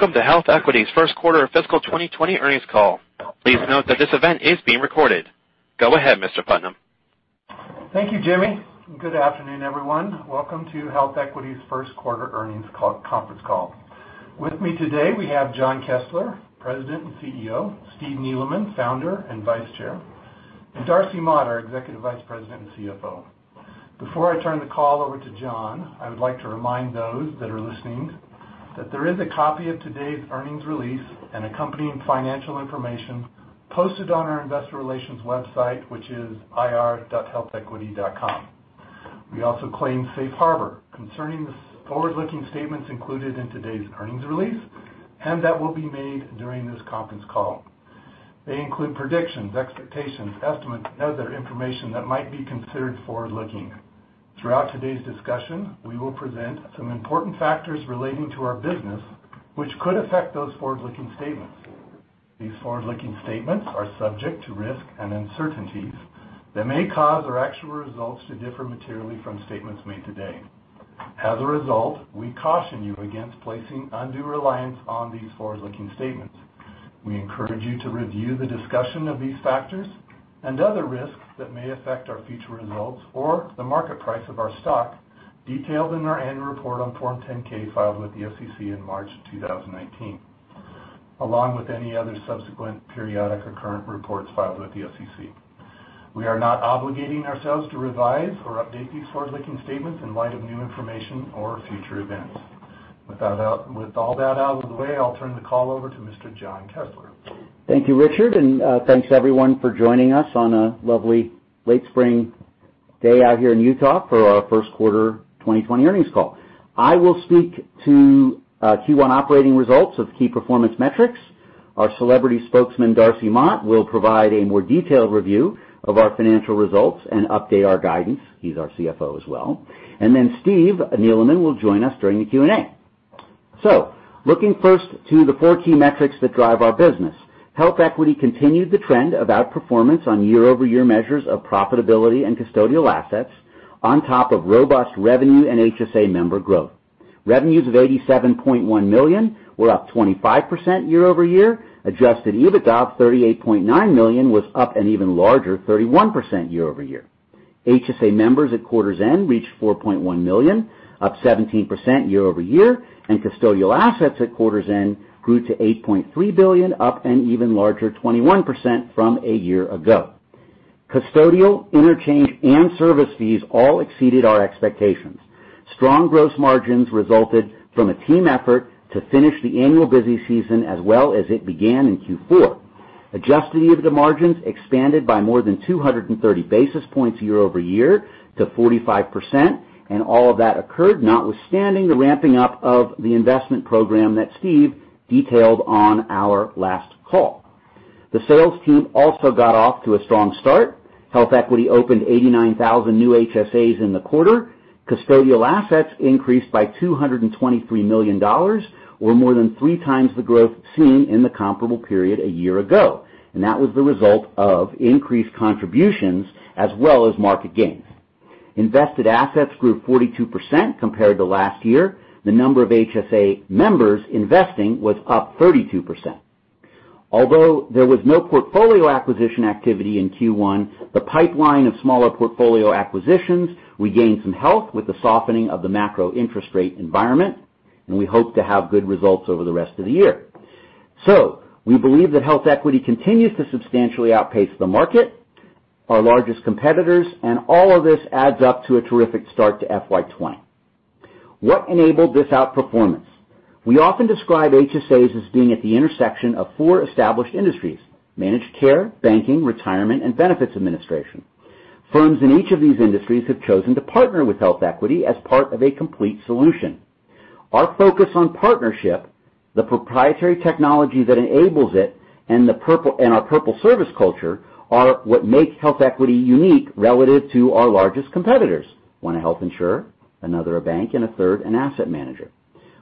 Welcome to HealthEquity's first quarter fiscal 2020 earnings call. Please note that this event is being recorded. Go ahead, Mr. Putnam. Thank you, Jimmy. Good afternoon, everyone. Welcome to HealthEquity's first quarter earnings conference call. With me today, we have Jon Kessler, President and CEO, Steve Neeleman, Founder and Vice Chair, and Darcy Mott, our Executive Vice President and CFO. Before I turn the call over to Jon, I would like to remind those that are listening that there is a copy of today's earnings release and accompanying financial information posted on our investor relations website, which is ir.healthequity.com. We also claim Safe Harbor concerning the forward-looking statements included in today's earnings release that will be made during this conference call. They include predictions, expectations, estimates, and other information that might be considered forward-looking. These forward-looking statements are subject to risks and uncertainties that may cause our actual results to differ materially from statements made today. As a result, we caution you against placing undue reliance on these forward-looking statements. We encourage you to review the discussion of these factors and other risks that may affect our future results or the market price of our stock, detailed in our annual report on Form 10-K filed with the SEC in March 2019, along with any other subsequent, periodic, or current reports filed with the SEC. We are not obligating ourselves to revise or update these forward-looking statements in light of new information or future events. With all that out of the way, I'll turn the call over to Mr. Jon Kessler. Thank you, Richard, and thanks to everyone for joining us on a lovely late spring day out here in Utah for our first quarter 2020 earnings call. I will speak to Q1 operating results of key performance metrics. Our celebrity spokesman, Darcy Mott, will provide a more detailed review of our financial results and update our guidance. He's our CFO as well. Steve Neeleman will join us during the Q&A. Looking first to the four key metrics that drive our business, HealthEquity continued the trend of outperformance on year-over-year measures of profitability and custodial assets on top of robust revenue and HSA member growth. Revenues of $87.1 million were up 25% year-over-year. Adjusted EBITDA of $38.9 million was up an even larger 31% year-over-year. HSA members at quarter's end reached 4.1 million, up 17% year-over-year, and custodial assets at quarter's end grew to $8.3 billion, up an even larger 21% from a year ago. Custodial, interchange, and service fees all exceeded our expectations. Strong gross margins resulted from a team effort to finish the annual busy season as well as it began in Q4. Adjusted EBITDA margins expanded by more than 230 basis points year-over-year to 45%, and all of that occurred notwithstanding the ramping up of the investment program that Steve detailed on our last call. The sales team also got off to a strong start. HealthEquity opened 89,000 new HSAs in the quarter. Custodial assets increased by $223 million, or more than three times the growth seen in the comparable period a year ago, and that was the result of increased contributions as well as market gains. Invested assets grew 42% compared to last year. The number of HSA members investing was up 32%. Although there was no portfolio acquisition activity in Q1, the pipeline of smaller portfolio acquisitions regained some health with the softening of the macro interest rate environment, and we hope to have good results over the rest of the year. We believe that HealthEquity continues to substantially outpace the market, our largest competitors, and all of this adds up to a terrific start to FY 2020. What enabled this outperformance? We often describe HSAs as being at the intersection of four established industries: managed care, banking, retirement, and benefits administration. Firms in each of these industries have chosen to partner with HealthEquity as part of a complete solution. Our focus on partnership, the proprietary technology that enables it, and our Purple service culture are what makes HealthEquity unique relative to our largest competitors. One, a health insurer, another, a bank, and a third, an asset manager.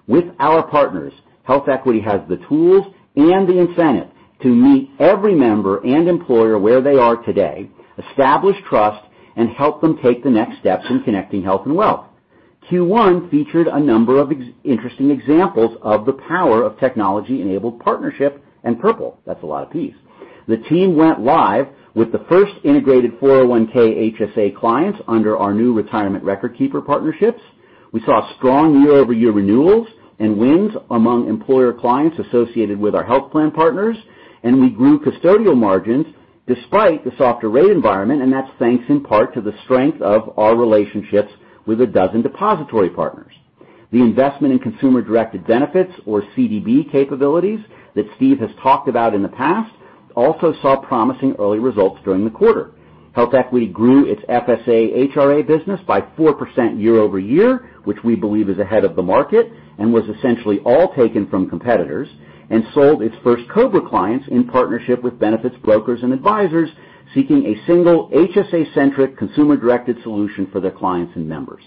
With our partners, HealthEquity has the tools and the incentive to meet every member and employer where they are today, establish trust, and help them take the next steps in connecting health and wealth. Q1 featured a number of interesting examples of the power of technology-enabled partnership and Purple. That's a lot of Ps. The team went live with the first integrated 401 HSA clients under our new retirement record keeper partnerships. We saw strong year-over-year renewals and wins among employer clients associated with our health plan partners, and we grew custodial margins despite the softer rate environment, and that's thanks in part to the strength of our relationships with a dozen depository partners. The investment in consumer-directed benefits, or CDB capabilities, that Steve has talked about in the past also saw promising early results during the quarter. HealthEquity grew its FSA HRA business by 4% year-over-year, which we believe is ahead of the market and was essentially all taken from competitors, and sold its first COBRA clients in partnership with benefits brokers and advisors seeking a single HSA-centric consumer-directed solution for their clients and members.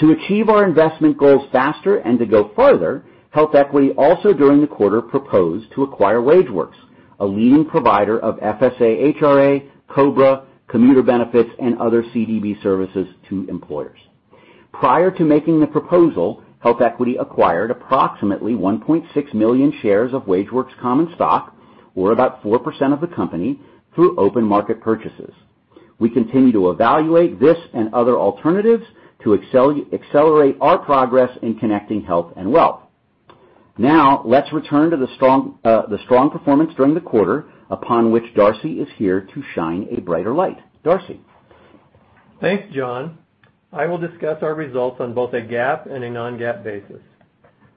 To achieve our investment goals faster and to go further, HealthEquity also during the quarter proposed to acquire WageWorks. A leading provider of FSA/HRA, COBRA, commuter benefits, and other CDB services to employers. Prior to making the proposal, HealthEquity acquired approximately 1.6 million shares of WageWorks common stock, or about 4% of the company, through open market purchases. We continue to evaluate this and other alternatives to accelerate our progress in connecting health and wealth. Let's return to the strong performance during the quarter, upon which Darcy is here to shine a brighter light. Darcy? Thanks, Jon. I will discuss our results on both a GAAP and a non-GAAP basis.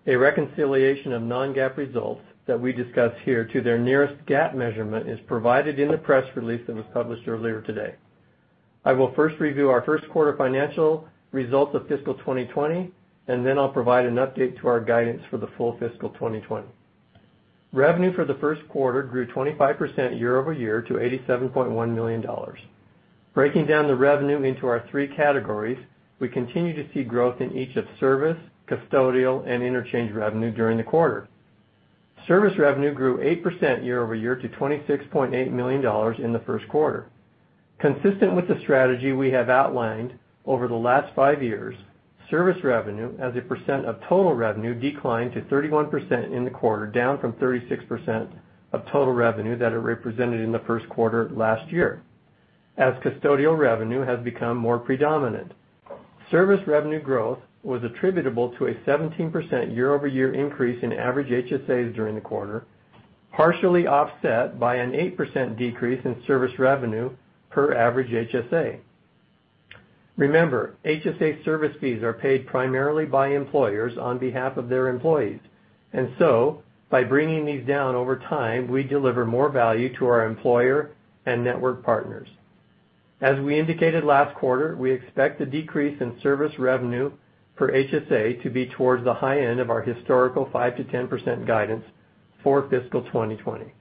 A reconciliation of non-GAAP results that we discuss here to their nearest GAAP measurement is provided in the press release that was published earlier today. I will first review our first quarter financial results of fiscal 2020, then I'll provide an update to our guidance for the full fiscal 2020. Revenue for the first quarter grew 25% year-over-year to $87.1 million. Breaking down the revenue into our three categories, we continue to see growth in each of service, custodial, and interchange revenue during the quarter. Service revenue grew 8% year-over-year to $26.8 million in the first quarter. Consistent with the strategy we have outlined over the last five years, service revenue as a percent of total revenue declined to 31% in the quarter, down from 36% of total revenue that it represented in the first quarter last year, as custodial revenue has become more predominant. Service revenue growth was attributable to a 17% year-over-year increase in average HSAs during the quarter, partially offset by an 8% decrease in service revenue per average HSA. Remember, HSA service fees are paid primarily by employers on behalf of their employees. By bringing these down over time, we deliver more value to our employer and network partners. As we indicated last quarter, we expect the decrease in service revenue per HSA to be towards the high end of our historical 5%-10% guidance for fiscal 2020.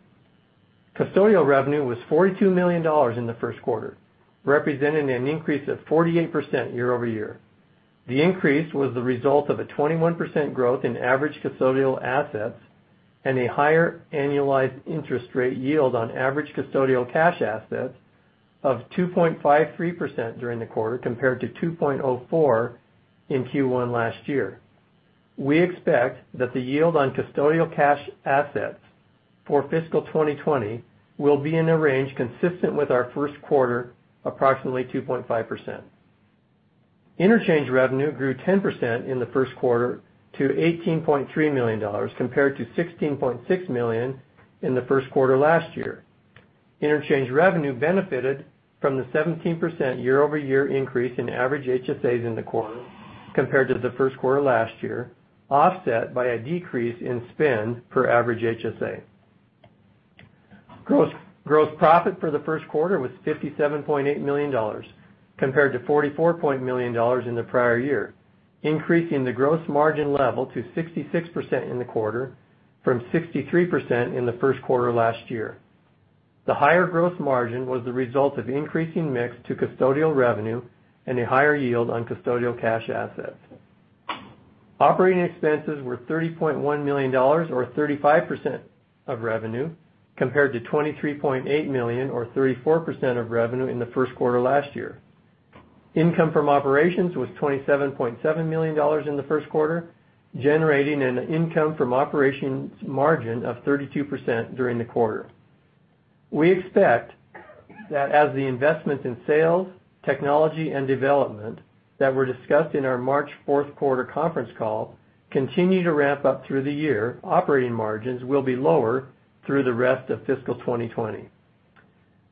Custodial revenue was $42 million in the first quarter, representing an increase of 48% year-over-year. The increase was the result of a 21% growth in average custodial assets and a higher annualized interest rate yield on average custodial cash assets of 2.53% during the quarter, compared to 2.04% in Q1 last year. We expect that the yield on custodial cash assets for fiscal 2020 will be in the range consistent with our first quarter, approximately 2.5%. Interchange revenue grew 10% in the first quarter to $18.3 million, compared to $16.6 million in the first quarter last year. Interchange revenue benefited from the 17% year-over-year increase in average HSAs in the quarter compared to the first quarter last year, offset by a decrease in spend per average HSA. Gross profit for the first quarter was $57.8 million, compared to $44.9 million in the prior year, increasing the gross margin level to 66% in the quarter from 63% in the first quarter last year. The higher gross margin was the result of increasing mix to custodial revenue and a higher yield on custodial cash assets. Operating expenses were $30.1 million, or 35% of revenue, compared to $23.8 million, or 34% of revenue in the first quarter last year. Income from operations was $27.7 million in the first quarter, generating an income from operations margin of 32% during the quarter. We expect that as the investments in sales, technology, and development that were discussed in our March fourth quarter conference call continue to ramp up through the year, operating margins will be lower through the rest of fiscal 2020.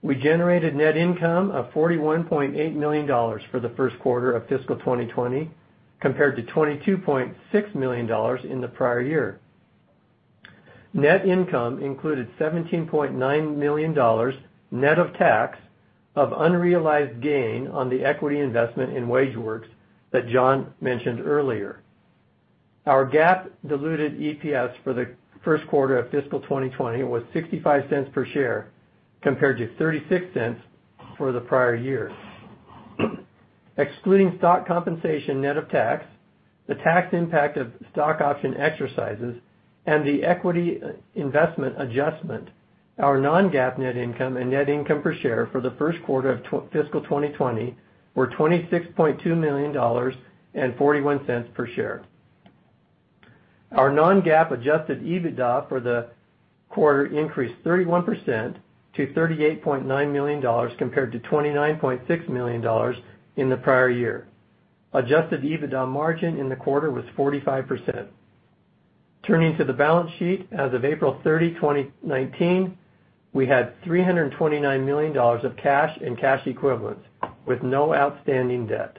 We generated net income of $41.8 million for the first quarter of fiscal 2020, compared to $22.6 million in the prior year. Net income included $17.9 million net of tax of unrealized gain on the equity investment in WageWorks that Jon mentioned earlier. Our GAAP diluted EPS for the first quarter of fiscal 2020 was $0.65 per share, compared to $0.36 for the prior year. Excluding stock compensation net of tax, the tax impact of stock option exercises, and the equity investment adjustment, our non-GAAP net income and net income per share for the first quarter of fiscal 2020 were $26.2 million and $0.41 per share. Our non-GAAP adjusted EBITDA for the quarter increased 31% to $38.9 million, compared to $29.6 million in the prior year. Adjusted EBITDA margin in the quarter was 45%. Turning to the balance sheet, as of April 30, 2019, we had $329 million of cash and cash equivalents, with no outstanding debt.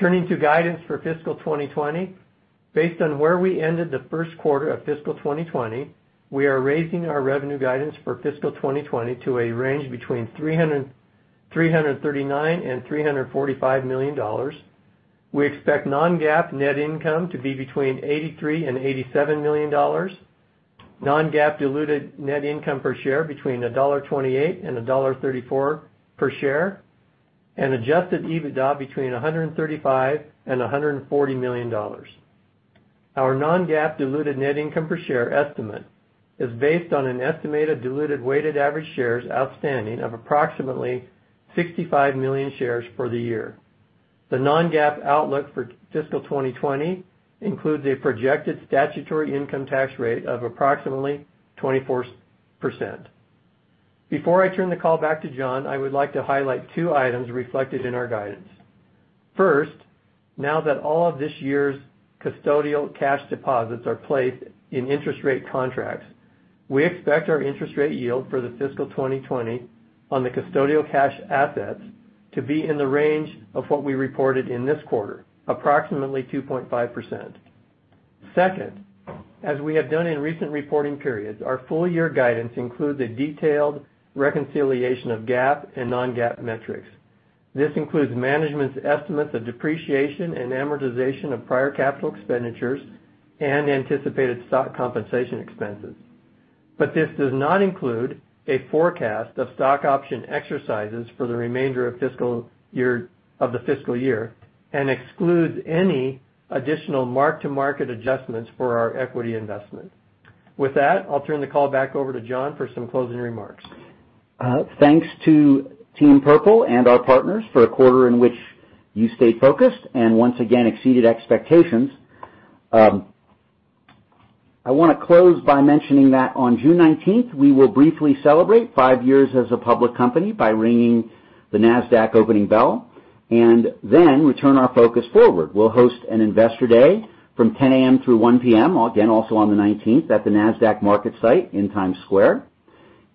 Turning to guidance for fiscal 2020, based on where we ended the first quarter of fiscal 2020, we are raising our revenue guidance for fiscal 2020 to a range between $339 million and $345 million. We expect non-GAAP net income to be between $83 million and $87 million, non-GAAP diluted net income per share between $1.28 and $1.34 per share, and adjusted EBITDA between $135 million and $140 million. Our non-GAAP diluted net income per share estimate is based on an estimated diluted weighted average shares outstanding of approximately 65 million shares for the year. The non-GAAP outlook for fiscal 2020 includes a projected statutory income tax rate of approximately 24%. Before I turn the call back to Jon, I would like to highlight two items reflected in our guidance. First, now that all of this year's custodial cash deposits are placed in interest rate contracts, we expect our interest rate yield for the fiscal 2020 on the custodial cash assets to be in the range of what we reported in this quarter, approximately 2.5%. Second, as we have done in recent reporting periods, our full year guidance includes a detailed reconciliation of GAAP and non-GAAP metrics. This includes management's estimates of depreciation and amortization of prior capital expenditures and anticipated stock compensation expenses. This does not include a forecast of stock option exercises for the remainder of the fiscal year, and excludes any additional mark-to-market adjustments for our equity investment. With that, I'll turn the call back over to Jon for some closing remarks. Thanks to Team Purple and our partners for a quarter in which you stayed focused and once again exceeded expectations. I want to close by mentioning that on June 19th, we will briefly celebrate 5 years as a public company by ringing the Nasdaq opening bell, then we turn our focus forward. We'll host an Investor Day from 10:00 A.M. through 1:00 P.M., again, also on the 19th at the Nasdaq market site in Times Square.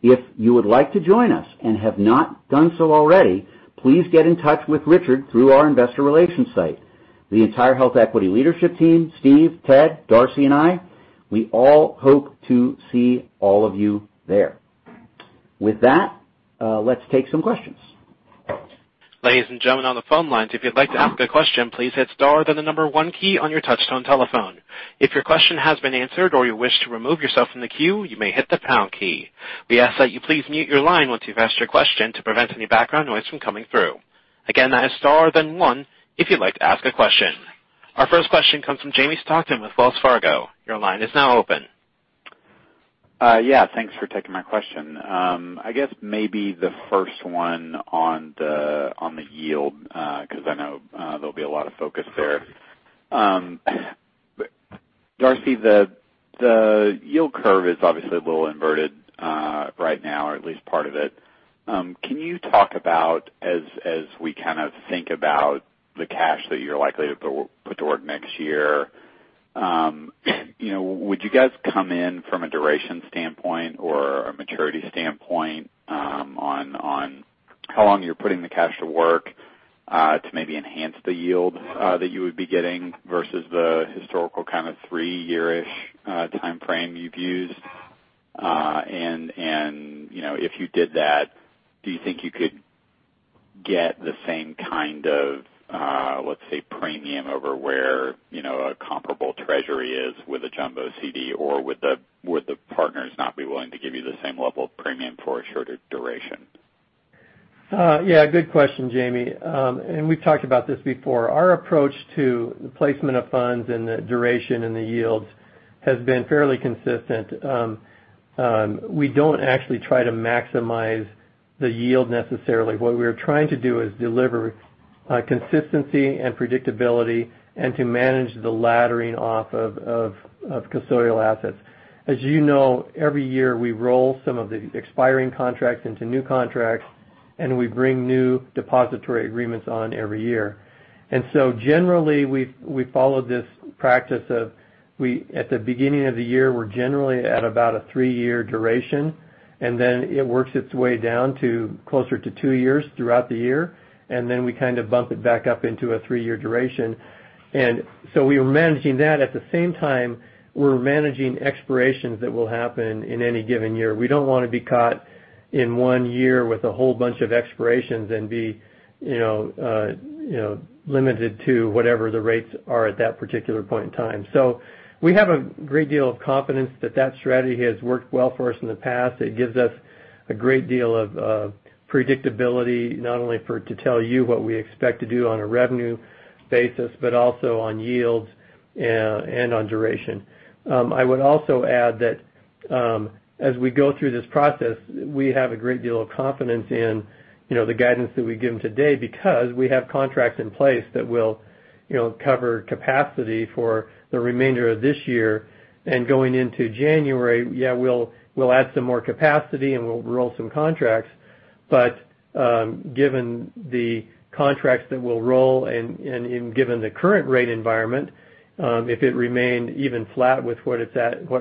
If you would like to join us and have not done so already, please get in touch with Richard through our investor relations site. The entire HealthEquity leadership team, Steve, Ted, Darcy, and I, we all hope to see all of you there. With that, let's take some questions. Ladies and gentlemen, on the phone lines, if you'd like to ask a question, please hit star, then the number one key on your touchtone telephone. If your question has been answered or you wish to remove yourself from the queue, you may hit the pound key. We ask that you please mute your line once you've asked your question to prevent any background noise from coming through. Again, that is star then one, if you'd like to ask a question. Our first question comes from Jamie Stockton with Wells Fargo. Your line is now open. Yeah. Thanks for taking my question. I guess maybe the first one on the yield, because I know there'll be a lot of focus there. Darcy, the yield curve is obviously a little inverted right now, or at least part of it. Can you talk about, as we kind of think about the cash that you're likely to put to work next year, would you guys come in from a duration standpoint or a maturity standpoint on how long you're putting the cash to work to maybe enhance the yield that you would be getting versus the historical kind of three-year-ish timeframe you've used? If you did that, do you think you could get the same kind of, let's say, premium over where a comparable treasury is with a jumbo CD, or would the partners not be willing to give you the same level of premium for a shorter duration? Good question, Jamie. We've talked about this before. Our approach to the placement of funds and the duration and the yields has been fairly consistent. We don't actually try to maximize the yield necessarily. What we're trying to do is deliver consistency and predictability and to manage the laddering off of custodial assets. As you know, every year, we roll some of the expiring contracts into new contracts, and we bring new depository agreements on every year. Generally, we follow this practice of, at the beginning of the year, we're generally at about a three-year duration, and then it works its way down to closer to two years throughout the year, and then we kind of bump it back up into a three-year duration. We're managing that. At the same time, we're managing expirations that will happen in any given year. We don't want to be caught in one year with a whole bunch of expirations and be limited to whatever the rates are at that particular point in time. We have a great deal of confidence that that strategy has worked well for us in the past. It gives us a great deal of predictability, not only for it to tell you what we expect to do on a revenue basis, but also on yields and on duration. I would also add that as we go through this process, we have a great deal of confidence in the guidance that we give today because we have contracts in place that will cover capacity for the remainder of this year. Going into January, we'll add some more capacity and we'll roll some contracts. Given the contracts that we'll roll and given the current rate environment, if it remained even flat with what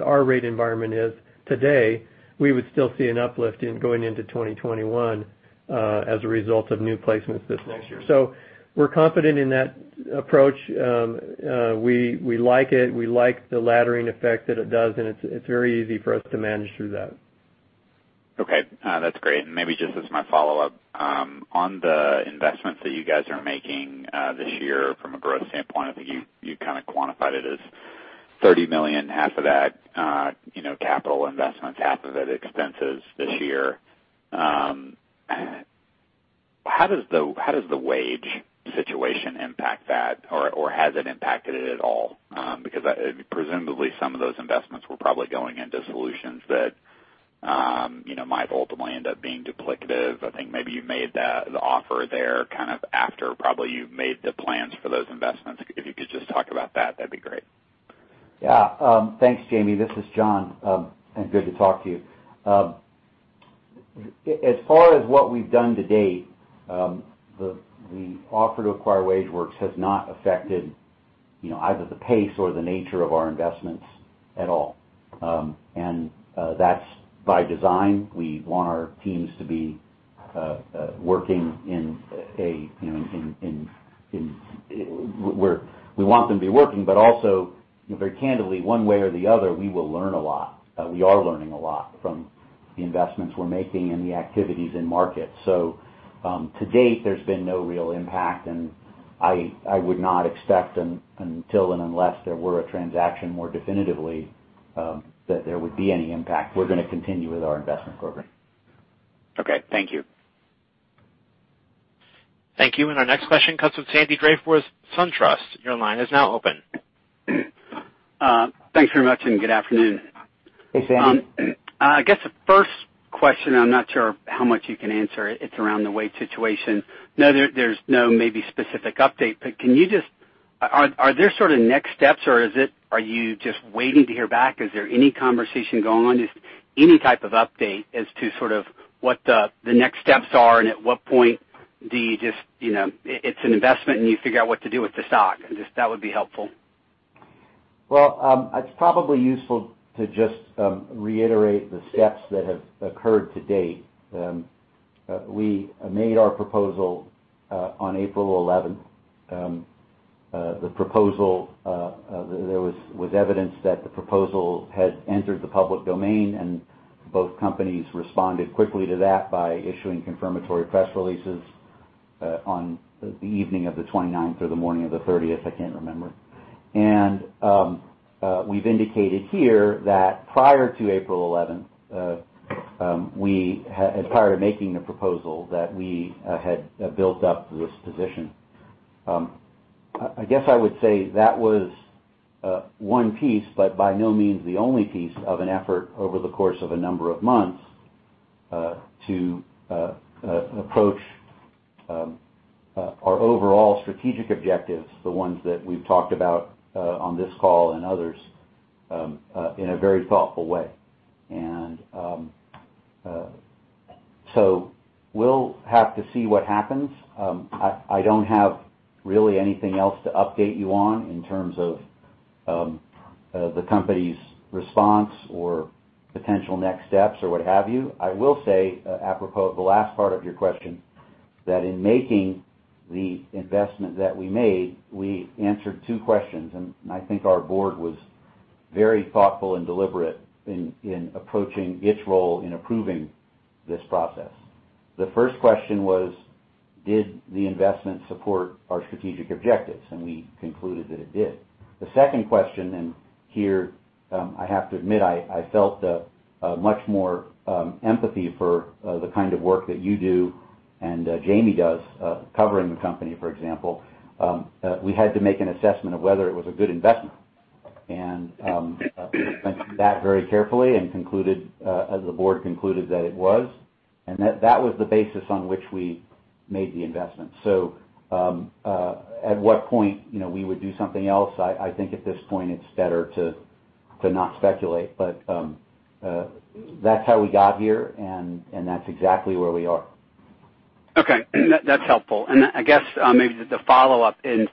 our rate environment is today, we would still see an uplift going into 2021 as a result of new placements this next year. We're confident in that approach. We like it. We like the laddering effect that it does, and it's very easy for us to manage through that. Okay. That's great. Maybe just as my follow-up, on the investments that you guys are making this year from a growth standpoint, I think you kind of quantified it as $30 million, half of that capital investments, half of it expenses this year. How does the wage situation impact that? Or has it impacted it at all? Because presumably some of those investments were probably going into solutions that might ultimately end up being duplicative. I think maybe you made the offer there kind of after probably you've made the plans for those investments. If you could just talk about that'd be great. Yeah. Thanks, Jamie. This is Jon. Good to talk to you. As far as what we've done to date, the offer to acquire WageWorks has not affected either the pace or the nature of our investments at all. That's by design. We want our teams to be working in where we want them to be working, also very candidly, one way or the other, we will learn a lot. We are learning a lot from the investments we're making and the activities in market. To date, there's been no real impact, and I would not expect until, and unless there were a transaction more definitively, that there would be any impact. We're going to continue with our investment program. Okay. Thank you. Thank you. Our next question comes from Sandy Diefenbach, SunTrust. Your line is now open. Thanks very much. Good afternoon. Hey, Sandy. I guess the first question, I'm not sure how much you can answer. It's around the WageWorks situation. I know there's no maybe specific update, but are there sort of next steps, or are you just waiting to hear back? Is there any conversation going on? Just any type of update as to sort of what the next steps are and at what point it's an investment and you figure out what to do with the stock? Just that would be helpful. Well, it's probably useful to just reiterate the steps that have occurred to date. We made our proposal on April 11th. There was evidence that the proposal had entered the public domain, and both companies responded quickly to that by issuing confirmatory press releases on the evening of the 29th or the morning of the 30th, I can't remember. We've indicated here that prior to April 11th, prior to making the proposal, that we had built up this position. I guess I would say that was one piece, but by no means the only piece of an effort over the course of a number of months, to approach our overall strategic objectives, the ones that we've talked about on this call and others, in a very thoughtful way. So we'll have to see what happens. I don't have really anything else to update you on in terms of the company's response or potential next steps or what have you. I will say, apropos of the last part of your question, that in making the investment that we made, we answered two questions, and I think our board was very thoughtful and deliberate in approaching its role in approving this process. The first question was, did the investment support our strategic objectives? We concluded that it did. The second question, and here I have to admit, I felt much more empathy for the kind of work that you do and Jamie does, covering the company, for example. We had to make an assessment of whether it was a good investment. Went through that very carefully and the board concluded that it was. That was the basis on which we made the investment. At what point we would do something else, I think at this point it's better to not speculate. That's how we got here, and that's exactly where we are. Okay. That's helpful. I guess maybe just to follow up and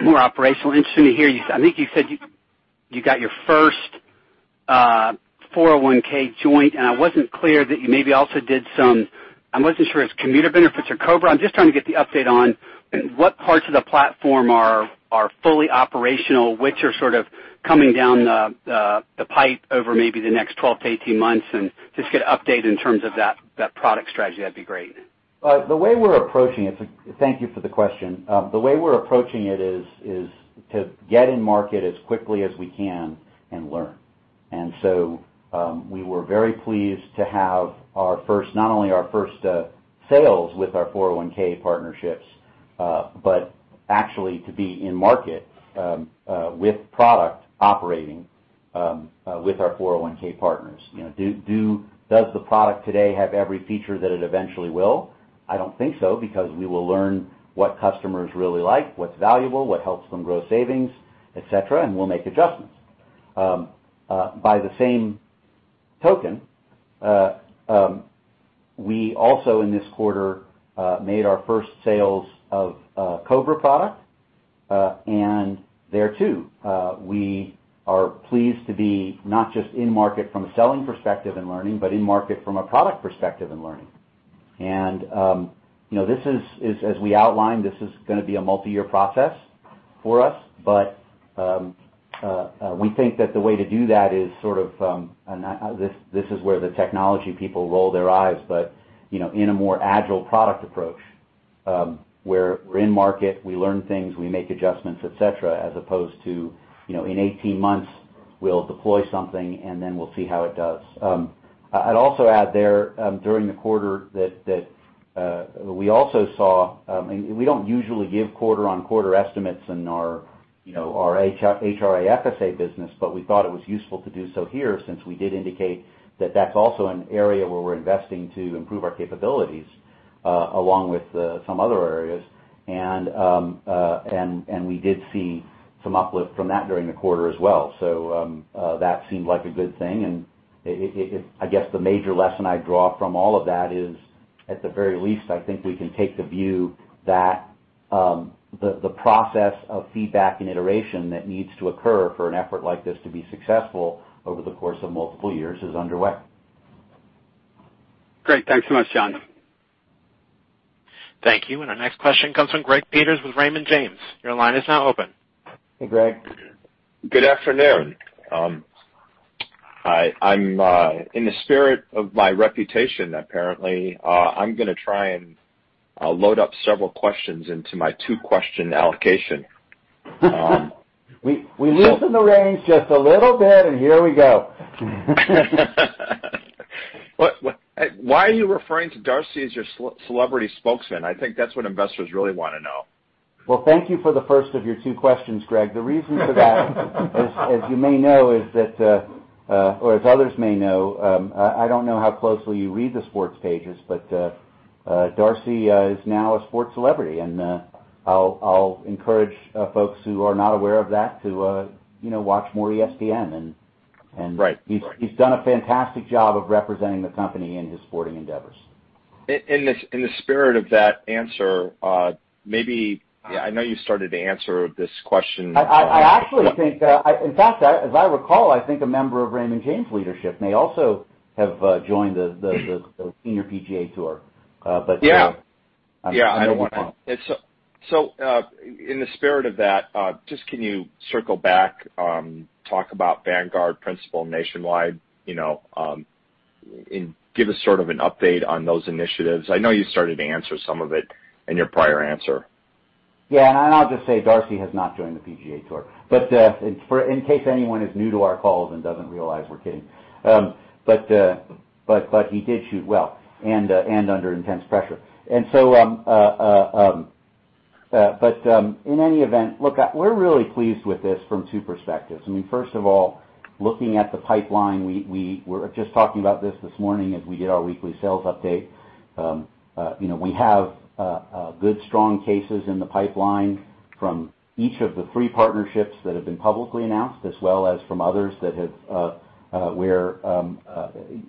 more operational, interesting to hear, I think you said you got your first 401 joint. I wasn't clear that you maybe also did some I wasn't sure if it's commuter benefits or COBRA. I'm just trying to get the update on what parts of the platform are fully operational, which are sort of coming down the pipe over maybe the next 12 to 18 months, and just get an update in terms of that product strategy, that'd be great. Thank you for the question. The way we're approaching it is to get in market as quickly as we can and learn. We were very pleased to have not only our first sales with our 401 partnerships, but actually to be in market with product operating with our 401 partners. Does the product today have every feature that it eventually will? I don't think so because we will learn what customers really like, what's valuable, what helps them grow savings, et cetera, and we'll make adjustments. By the same token, we also in this quarter, made our first sales of COBRA product. There too, we are pleased to be not just in market from a selling perspective and learning, but in market from a product perspective and learning. As we outlined, this is going to be a multi-year process for us. We think that the way to do that is sort of, and this is where the technology people roll their eyes, but in a more agile product approach. Where we're in market, we learn things, we make adjustments, et cetera, as opposed to in 18 months We'll deploy something, and then we'll see how it does. I'd also add there, during the quarter, that we also saw we don't usually give quarter-on-quarter estimates in our HRA/FSA business, but we thought it was useful to do so here, since we did indicate that that's also an area where we're investing to improve our capabilities, along with some other areas. We did see some uplift from that during the quarter as well. That seemed like a good thing, and I guess the major lesson I draw from all of that is, at the very least, I think we can take the view that the process of feedback and iteration that needs to occur for an effort like this to be successful over the course of multiple years is underway. Great. Thanks so much, Jon. Thank you. Our next question comes from Greg Peters with Raymond James. Your line is now open. Hey, Greg. Good afternoon. I'm in the spirit of my reputation, apparently. I'm going to try and load up several questions into my two-question allocation. We loosen the reins just a little bit, here we go. Why are you referring to Darcy as your celebrity spokesman? I think that's what investors really want to know. Well, thank you for the first of your two questions, Greg. The reason for that, as you may know, or as others may know, I don't know how closely you read the sports pages, but Darcy is now a sports celebrity, and I'll encourage folks who are not aware of that to watch more ESPN. Right. He's done a fantastic job of representing the company in his sporting endeavors. In the spirit of that answer, I know you started to answer this question. I actually think, in fact, as I recall, I think a member of Raymond James leadership may also have joined the Senior PGA Tour. Yeah. But I know- In the spirit of that, just can you circle back, talk about Vanguard, Principal, Nationwide, and give us sort of an update on those initiatives. I know you started to answer some of it in your prior answer. Yeah. I'll just say Darcy has not joined the PGA Tour. In case anyone is new to our calls and doesn't realize we're kidding. He did shoot well and under intense pressure. In any event, look, we're really pleased with this from two perspectives. First of all, looking at the pipeline, we were just talking about this this morning as we did our weekly sales update. We have good, strong cases in the pipeline from each of the three partnerships that have been publicly announced, as well as from others where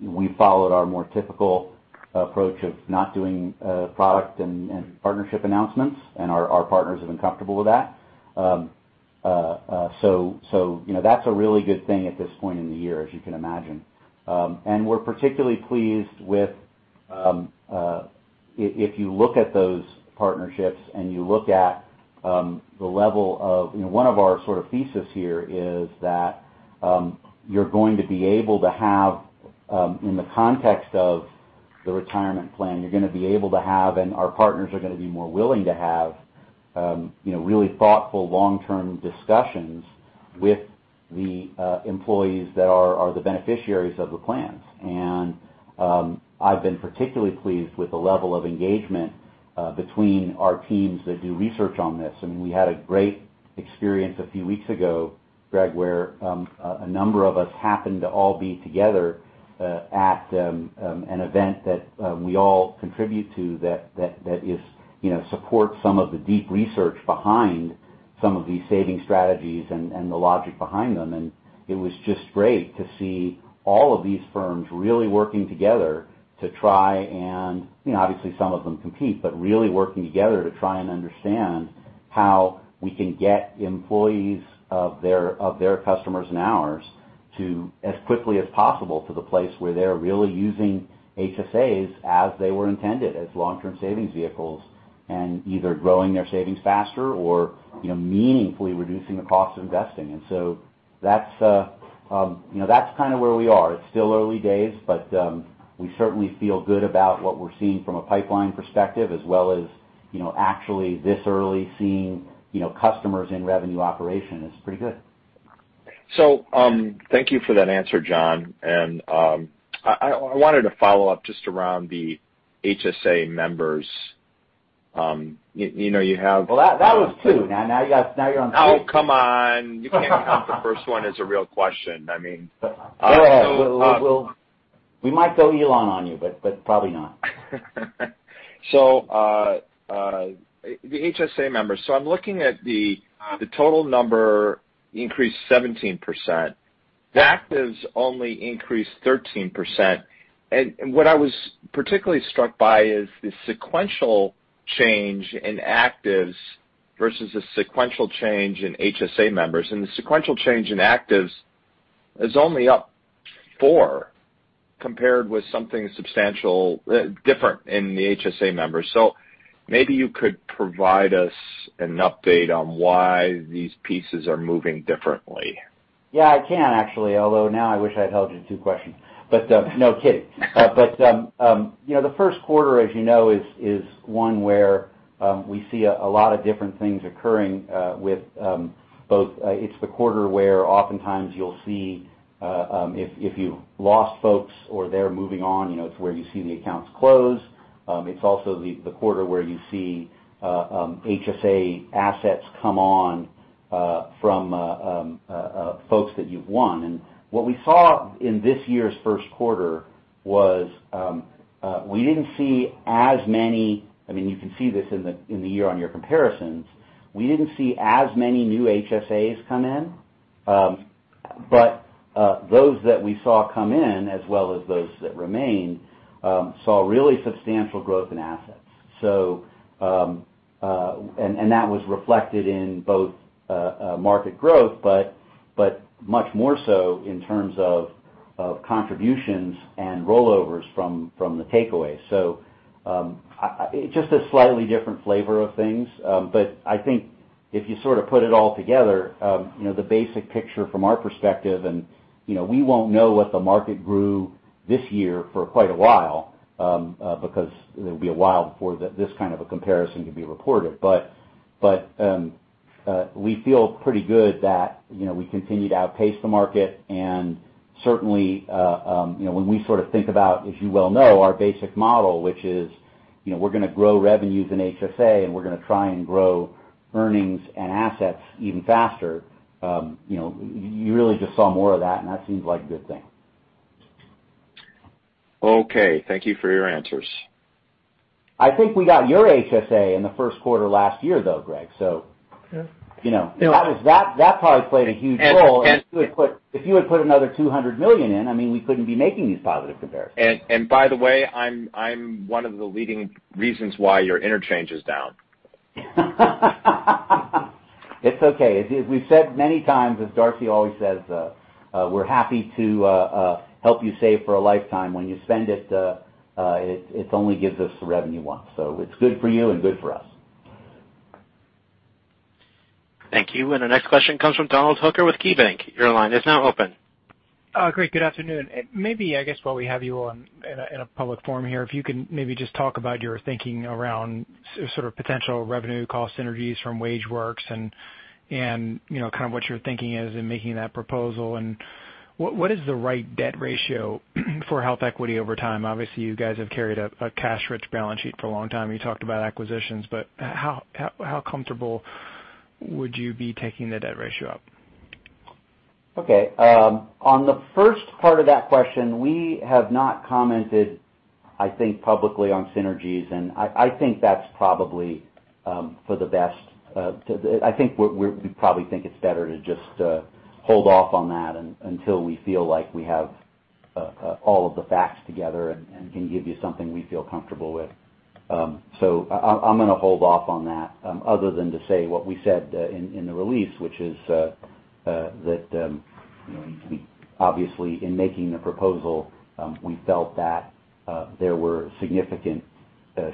we followed our more typical approach of not doing product and partnership announcements, and our partners have been comfortable with that. That's a really good thing at this point in the year, as you can imagine. We're particularly pleased with, if you look at those partnerships and you look at one of our sort of thesis here is that you're going to be able to have, in the context of the retirement plan, you're going to be able to have, and our partners are going to be more willing to have really thoughtful long-term discussions with the employees that are the beneficiaries of the plans. I've been particularly pleased with the level of engagement between our teams that do research on this. We had a great experience a few weeks ago, Greg, where a number of us happened to all be together at an event that we all contribute to that supports some of the deep research behind some of these saving strategies and the logic behind them. It was just great to see all of these firms really working together to try and, obviously some of them compete, but really working together to try and understand how we can get employees of their customers and ours as quickly as possible to the place where they're really using HSAs as they were intended, as long-term savings vehicles, and either growing their savings faster or meaningfully reducing the cost of investing. That's kind of where we are. It's still early days, but we certainly feel good about what we're seeing from a pipeline perspective as well as actually this early seeing customers in revenue operation is pretty good. Thank you for that answer, Jon. I wanted to follow up just around the HSA members. You have Well, that was two now. Now you're on two. Come on. You can't count the first one as a real question. I mean Go ahead. We might go Elon on you, but probably not. The HSA members. I'm looking at the total number increased 17%. The actives only increased 13%. What I was particularly struck by is the sequential change in actives versus the sequential change in HSA members. The sequential change in actives is only up 4%, compared with something different in the HSA members. Maybe you could provide us an update on why these pieces are moving differently. Yeah, I can actually, although now I wish I'd held you to two questions. No, kidding. The first quarter, as you know, is one where we see a lot of different things occurring with both. It's the quarter where oftentimes you'll see, if you lost folks or they're moving on, it's where you see the accounts close. It's also the quarter where you see HSA assets come on from folks that you've won. What we saw in this year's first quarter was, we didn't see as many, you can see this in the year-on-year comparisons. We didn't see as many new HSAs come in. Those that we saw come in, as well as those that remain, saw really substantial growth in assets. That was reflected in both market growth, but much more so in terms of contributions and rollovers from the takeaway. Just a slightly different flavor of things. I think if you put it all together, the basic picture from our perspective, we won't know what the market grew this year for quite a while, because it'll be a while before this kind of a comparison can be reported. We feel pretty good that we continue to outpace the market and certainly, when we think about, as you well know, our basic model, which is, we're going to grow revenues in HSA, we're going to try and grow earnings and assets even faster. You really just saw more of that seems like a good thing. Okay. Thank you for your answers. I think we got your HSA in the first quarter last year, though, Greg. Yeah that probably played a huge role. If you had put another $200 million in, we couldn't be making these positive comparisons. By the way, I'm one of the leading reasons why your interchange is down. It's okay. As we've said many times, as Darcy always says, we're happy to help you save for a lifetime. When you spend it only gives us the revenue once. It's good for you and good for us. Thank you. The next question comes from Donald Hooker with KeyBank. Your line is now open. Greg, good afternoon. Maybe, I guess, while we have you on in a public forum here, if you can maybe just talk about your thinking around sort of potential revenue cost synergies from WageWorks and kind of what your thinking is in making that proposal, and what is the right debt ratio for HealthEquity over time? Obviously, you guys have carried a cash-rich balance sheet for a long time. How comfortable would you be taking the debt ratio up? Okay. On the first part of that question, we have not commented, I think, publicly on synergies. I think that's probably for the best. I think we probably think it's better to just hold off on that until we feel like we have all of the facts together and can give you something we feel comfortable with. I'm going to hold off on that, other than to say what we said in the release, which is that, obviously, in making the proposal, we felt that there were significant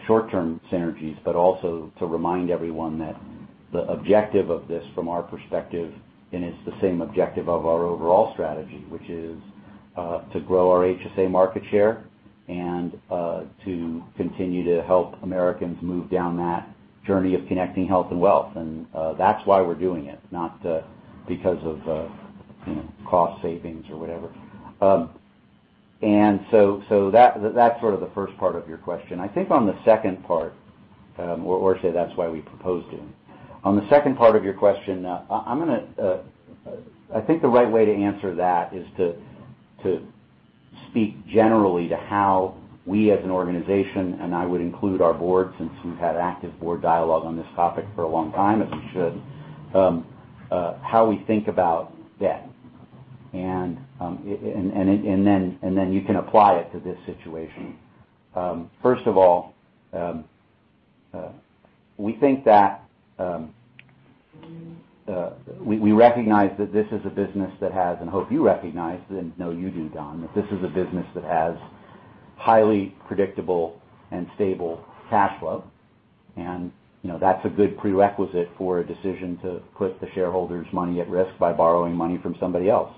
short-term synergies, but also to remind everyone that the objective of this, from our perspective, and it's the same objective of our overall strategy, which is to grow our HSA market share and to continue to help Americans move down that journey of connecting health and wealth. That's why we're doing it, not because of cost savings or whatever. That's sort of the first part of your question. I think on the second part, or I say that's why we proposed it. On the second part of your question, I think the right way to answer that is to speak generally to how we as an organization, and I would include our board, since we've had active board dialogue on this topic for a long time, as we should, how we think about debt. Then you can apply it to this situation. First of all, we recognize that this is a business that has, and hope you recognize, and know you do, Don, that this is a business that has highly predictable and stable cash flow. That's a good prerequisite for a decision to put the shareholders' money at risk by borrowing money from somebody else.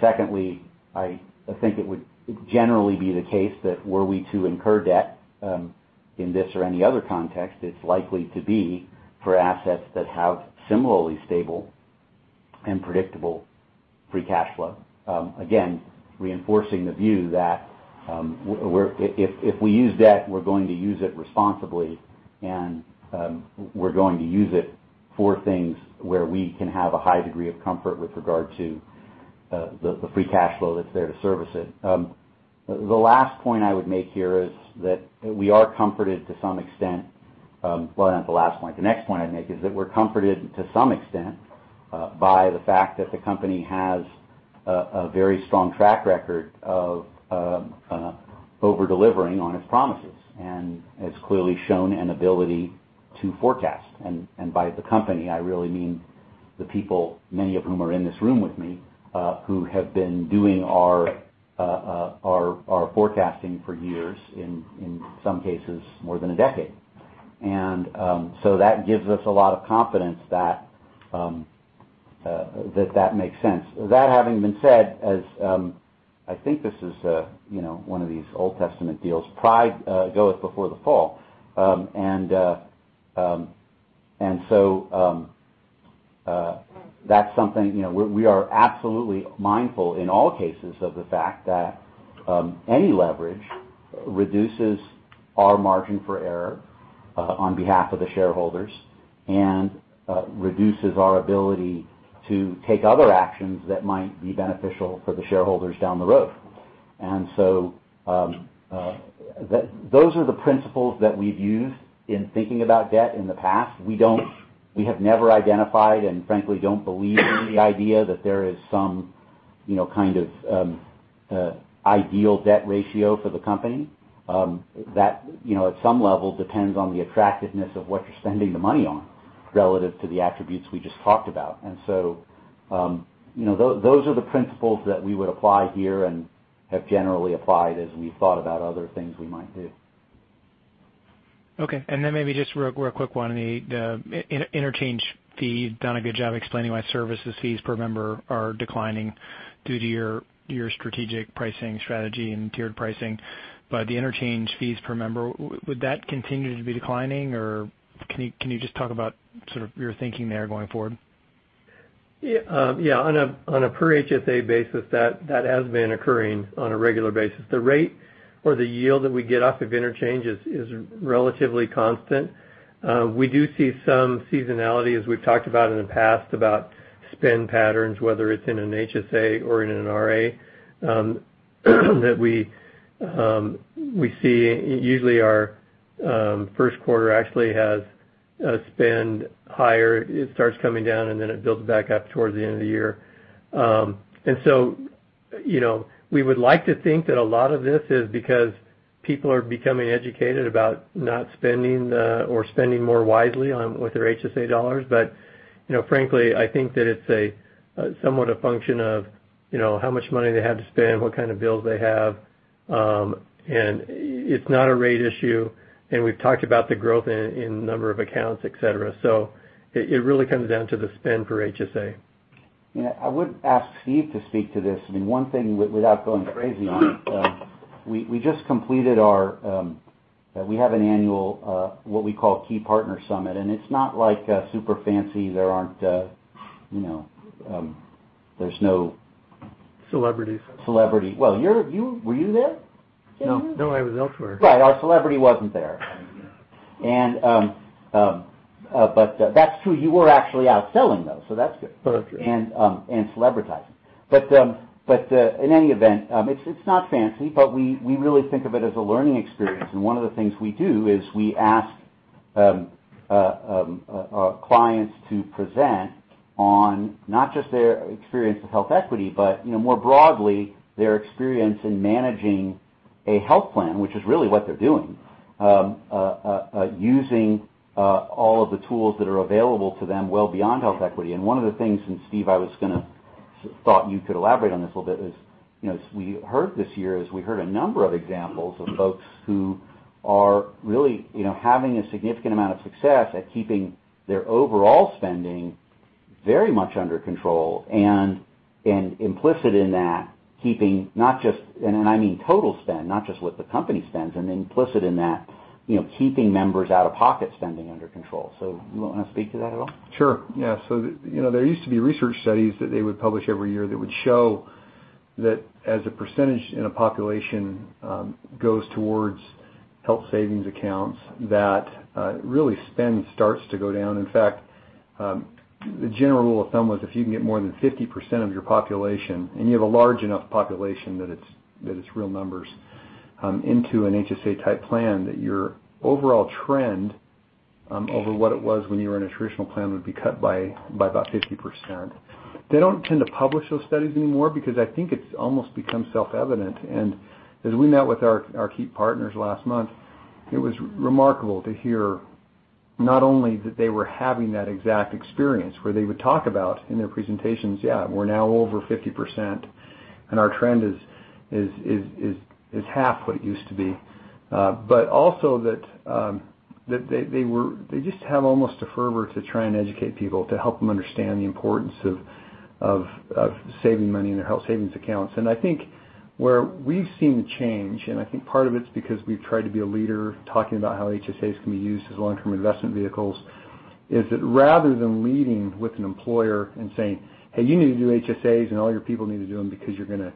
Secondly, I think it would generally be the case that were we to incur debt, in this or any other context, it's likely to be for assets that have similarly stable and predictable free cash flow. Again, reinforcing the view that, if we use debt, we're going to use it responsibly, and we're going to use it for things where we can have a high degree of comfort with regard to the free cash flow that's there to service it. The last point I would make here is that we are comforted to some extent. Well, not the last point. The next point I'd make is that we're comforted to some extent by the fact that the company has a very strong track record of over-delivering on its promises and has clearly shown an ability to forecast. By the company, I really mean the people, many of whom are in this room with me, who have been doing our forecasting for years, in some cases more than a decade. So that gives us a lot of confidence that makes sense. That having been said, as I think this is one of these Old Testament deals, pride goeth before the fall. So that's something, we are absolutely mindful in all cases of the fact that any leverage reduces our margin for error on behalf of the shareholders and reduces our ability to take other actions that might be beneficial for the shareholders down the road. So, those are the principles that we've used in thinking about debt in the past. We have never identified, and frankly, don't believe in the idea that there is some kind of ideal debt ratio for the company. That at some level depends on the attractiveness of what you're spending the money on relative to the attributes we just talked about. So, those are the principles that we would apply here and have generally applied as we thought about other things we might do. Then maybe just real quick one, the interchange fee. You've done a good job explaining why services fees per member are declining due to your strategic pricing strategy and tiered pricing. The interchange fees per member, would that continue to be declining? Can you just talk about sort of your thinking there going forward? Yeah. On a per HSA basis, that has been occurring on a regular basis. The rate or the yield that we get off of interchange is relatively constant. We do see some seasonality as we've talked about in the past, about spend patterns, whether it's in an HSA or in an RA, that we see usually our first quarter actually has a spend higher. It starts coming down, and then it builds back up towards the end of the year. We would like to think that a lot of this is because people are becoming educated about not spending, or spending more wisely on with their HSA dollars. Frankly, I think that it's somewhat a function of how much money they have to spend, what kind of bills they have. It's not a rate issue. We've talked about the growth in number of accounts, et cetera. It really comes down to the spend per HSA. Yeah. I would ask Steve to speak to this. I mean, one thing, without going crazy on it, We have an annual, what we call Key Partner Summit. It's not like super fancy. There's no- Celebrities. Celebrity. Well, were you there? No. No, I was elsewhere. Right. Our celebrity wasn't there. That's true. You were actually out selling, though. That's good. That's right. Celebritizing. In any event, it's not fancy, but we really think of it as a learning experience. One of the things we do is we ask our clients to present on not just their experience with HealthEquity, but more broadly, their experience in managing a health plan, which is really what they're doing, using all of the tools that are available to them well beyond HealthEquity. One of the things, and Steve, I thought you could elaborate on this a little bit, is we heard this year a number of examples of folks who are really having a significant amount of success at keeping their overall spending very much under control, and implicit in that, keeping not just I mean total spend, not just what the company spends, and implicit in that, keeping members' out-of-pocket spending under control. You want to speak to that at all? Sure. Yeah. There used to be research studies that they would publish every year that would show that as a percentage in a population goes towards health savings accounts, that really spend starts to go down. In fact, the general rule of thumb was if you can get more than 50% of your population, and you have a large enough population that it's real numbers into an HSA type plan, that your overall trend over what it was when you were in a traditional plan would be cut by about 50%. They don't tend to publish those studies anymore because I think it's almost become self-evident. As we met with our key partners last month, it was remarkable to hear not only that they were having that exact experience, where they would talk about in their presentations, "Yeah, we're now over 50%, and our trend is half what it used to be." Also that they just have almost a fervor to try and educate people to help them understand the importance of saving money in their health savings accounts. I think where we've seen the change, and I think part of it's because we've tried to be a leader talking about how HSAs can be used as long-term investment vehicles, is that rather than leading with an employer and saying, "Hey, you need to do HSAs and all your people need to do them because you're going to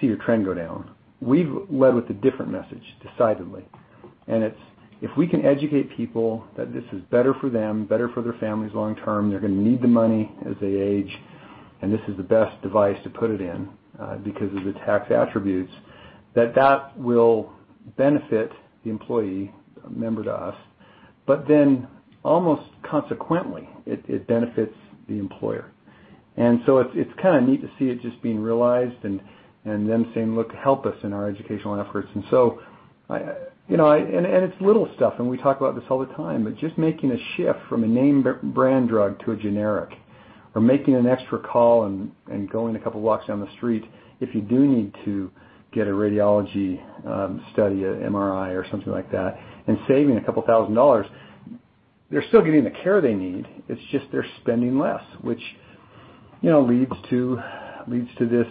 see your trend go down." We've led with a different message, decidedly. It's if we can educate people that this is better for them, better for their families long term, they're going to need the money as they age, and this is the best device to put it in because of the tax attributes, that that will benefit the employee, a member to us. Almost consequently, it benefits the employer. It's kind of neat to see it just being realized and them saying, "Look, help us in our educational efforts." It's little stuff, and we talk about this all the time, but just making a shift from a name brand drug to a generic. Making an extra call and going a couple blocks down the street if you do need to get a radiology study, a MRI or something like that, and saving a couple thousand dollars. They're still getting the care they need, it's just they're spending less, which leads to this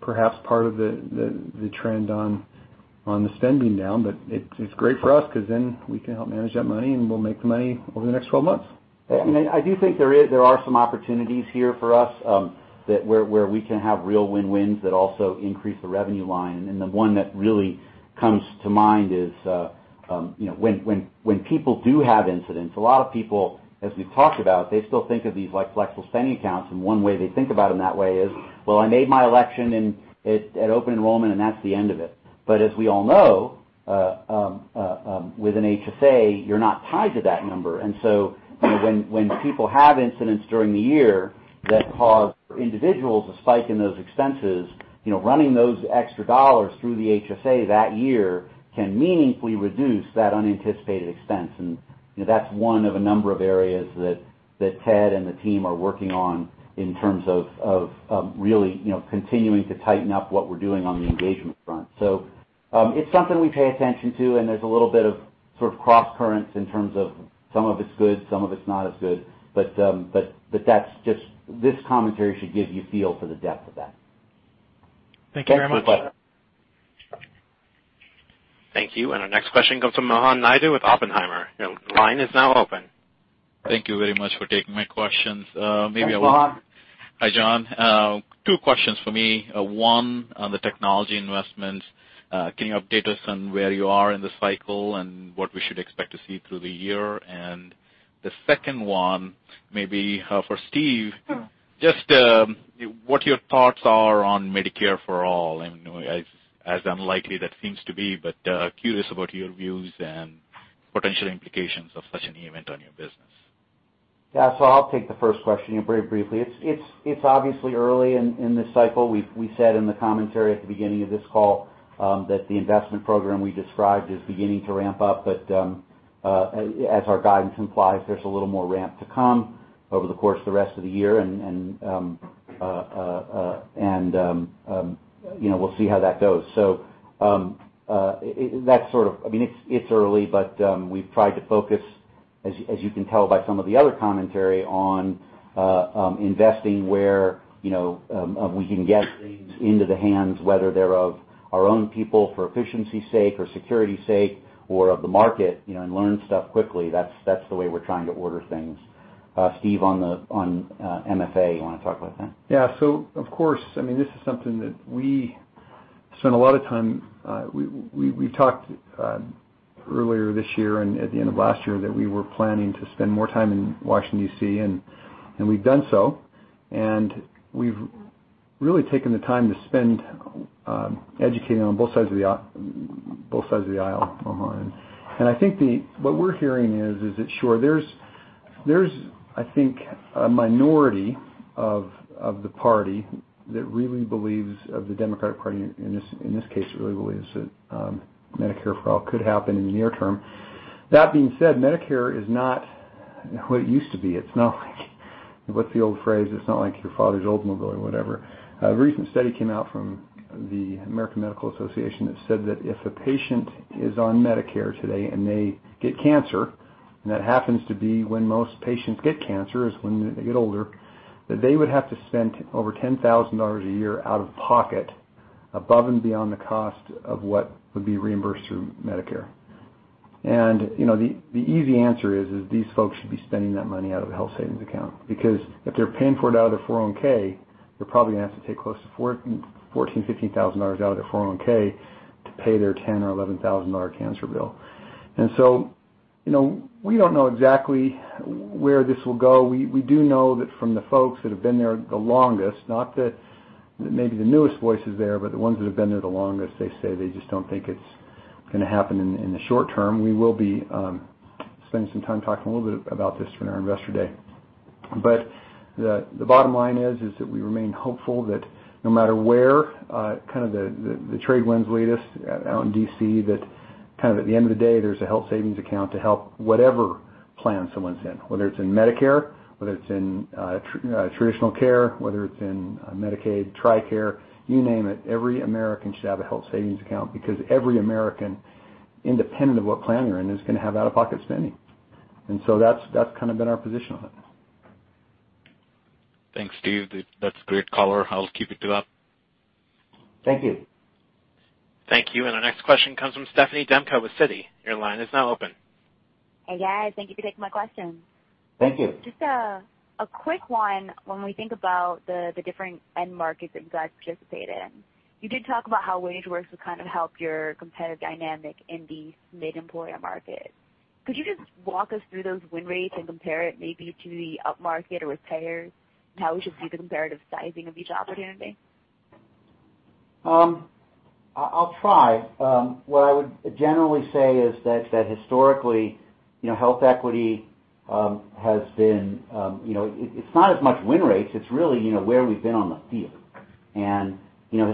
perhaps part of the trend on the spending down. It's great for us, because then we can help manage that money, and we'll make the money over the next 12 months. I do think there are some opportunities here for us, where we can have real win-wins that also increase the revenue line, and the one that really comes to mind is, when people do have incidents, a lot of people, as we've talked about, they still think of these like flexible spending accounts, and one way they think about them that way is, well, I made my election at open enrollment, and that's the end of it. As we all know, with an HSA, you're not tied to that number. When people have incidents during the year that cause individuals a spike in those expenses, running those extra dollars through the HSA that year can meaningfully reduce that unanticipated expense. That's one of a number of areas that Ted and the team are working on in terms of really continuing to tighten up what we're doing on the engagement front. It's something we pay attention to, and there's a little bit of sort of cross currents in terms of some of it's good, some of it's not as good. This commentary should give you a feel for the depth of that. Thank you very much. Thanks for the question. Thank you. Our next question comes from Mohan Naidu with Oppenheimer. Your line is now open. Thank you very much for taking my questions. Thanks, Mohan. Hi, Jon. Two questions for me. One, on the technology investments. Can you update us on where you are in the cycle and what we should expect to see through the year? The second one may be for Steve. Sure. Just what your thoughts are on Medicare for All, as unlikely that seems to be, but curious about your views and potential implications of such an event on your business. I'll take the first question very briefly. It's obviously early in this cycle. We said in the commentary at the beginning of this call that the investment program we described is beginning to ramp up. As our guidance implies, there's a little more ramp to come over the course of the rest of the year. We'll see how that goes. It's early, but we've tried to focus, as you can tell by some of the other commentary, on investing where we can get things into the hands, whether they're of our own people for efficiency's sake or security's sake, or of the market, and learn stuff quickly. That's the way we're trying to order things. Steve, on MFA, you want to talk about that? Of course, this is something that we spent a lot of time. We talked earlier this year and at the end of last year that we were planning to spend more time in Washington, D.C., and we've done so. We've really taken the time to spend educating on both sides of the aisle, Mohan. I think what we're hearing is that, sure, there's I think a minority of the party, of the Democratic Party in this case, that really believes that Medicare for All could happen in the near term. That being said, Medicare is not what it used to be. It's not like, what's the old phrase? It's not like your father's Oldsmobile or whatever. A recent study came out from the American Medical Association that said that if a patient is on Medicare today and they get cancer, and that happens to be when most patients get cancer, is when they get older, that they would have to spend over $10,000 a year out of pocket above and beyond the cost of what would be reimbursed through Medicare. The easy answer is these folks should be spending that money out of a health savings account, because if they're paying for it out of their 401, they're probably going to have to take close to $14,000, $15,000 out of their 401 to pay their $10,000 or $11,000 cancer bill. We don't know exactly where this will go. We do know that from the folks that have been there the longest, not maybe the newest voices there, but the ones that have been there the longest, they say they just don't think it's going to happen in the short term. We will be spending some time talking a little bit about this during our Investor Day. The bottom line is that we remain hopeful that no matter where the trade winds lead us out in D.C., that at the end of the day, there's a health savings account to help whatever plan someone's in, whether it's in Medicare, whether it's in traditional care, whether it's in Medicaid, Tricare, you name it. Every American should have a health savings account because every American, independent of what plan you're in, is going to have out-of-pocket spending. That's been our position on it. Thanks, Steve. That's great color. I'll keep it to that. Thank you. Thank you. Our next question comes from Stephanie Demko with Citi. Your line is now open. Hey, guys. Thank you for taking my questions. Thank you. Just a quick one. When we think about the different end markets that you guys participate in, you did talk about how WageWorks has kind of helped your competitive dynamic in the mid-employer market. Could you just walk us through those win rates and compare it maybe to the upmarket or with payers, and how we should view the comparative sizing of each opportunity? I'll try. What I would generally say is that historically, HealthEquity, it's not as much win rates, it's really where we've been on the field.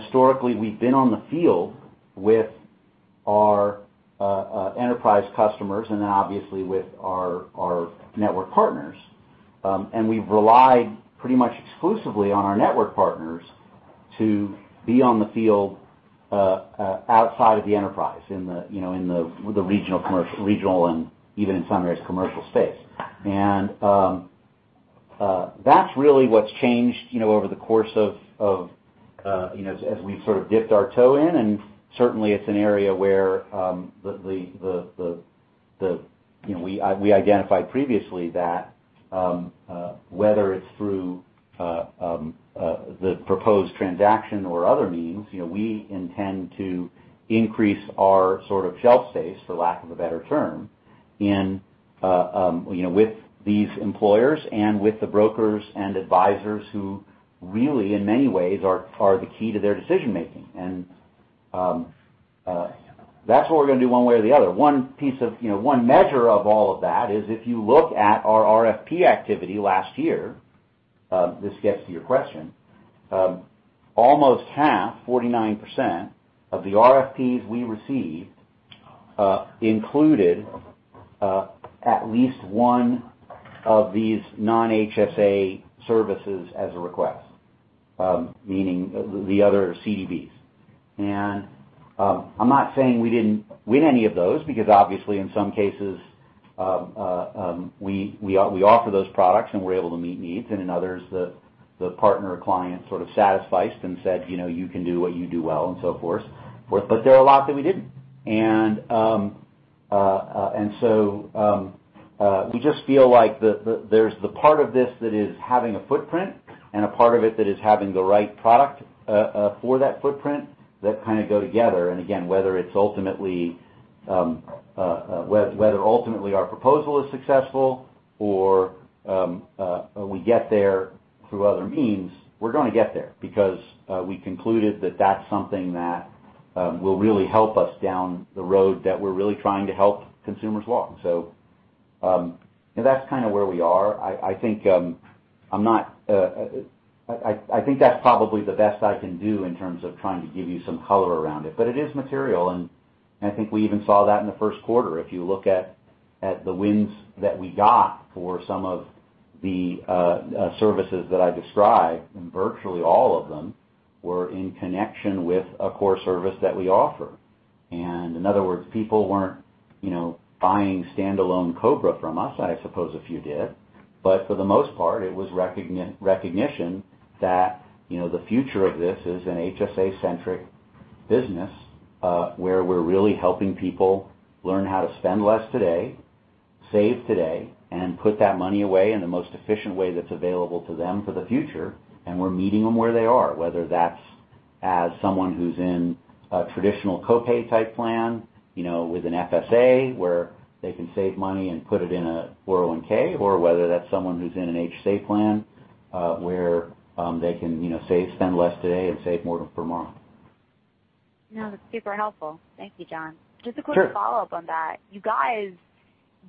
Historically, we've been on the field with our enterprise customers, and then obviously with our network partners. We've relied pretty much exclusively on our network partners to be on the field outside of the enterprise, with the regional and even in some ways commercial space. That's really what's changed over the course of, as we sort of dipped our toe in, and certainly it's an area where we identified previously that whether it's through the proposed transaction or other means, we intend to increase our sort of shelf space, for lack of a better term, with these employers and with the brokers and advisors who really, in many ways, are the key to their decision-making. That's what we're going to do one way or the other. One measure of all of that is if you look at our RFP activity last year, this gets to your question, almost half, 49%, of the RFPs we received included at least one of these non-HSA services as a request, meaning the other CDBs. I'm not saying we didn't win any of those because obviously in some cases, we offer those products, and we're able to meet needs, and in others, the partner or client sort of satisficed and said, "You can do what you do well," and so forth. There are a lot that we didn't. We just feel like there's the part of this that is having a footprint and a part of it that is having the right product for that footprint that kind of go together. Again, whether ultimately our proposal is successful or we get there through other means, we're going to get there because we concluded that that's something that will really help us down the road that we're really trying to help consumers walk. That's kind of where we are. I think that's probably the best I can do in terms of trying to give you some color around it. It is material, and I think we even saw that in the first quarter. If you look at the wins that we got for some of the services that I described, and virtually all of them were in connection with a core service that we offer. In other words, people weren't buying standalone COBRA from us. I suppose a few did, but for the most part, it was recognition that the future of this is an HSA-centric business, where we're really helping people learn how to spend less today, save today, and put that money away in the most efficient way that's available to them for the future. We're meeting them where they are, whether that's as someone who's in a traditional co-pay type plan, with an FSA where they can save money and put it in a 401(k), or whether that's someone who's in an HSA plan, where they can spend less today and save more for tomorrow. No, that's super helpful. Thank you, Jon. Sure. Just a quick follow-up on that. You guys